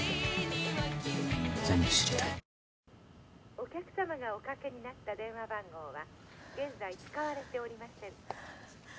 お客さまがおかけになった電話番号は現在使われておりません。